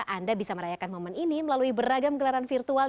anda bisa merayakan momen ini melalui beragam gelaran virtual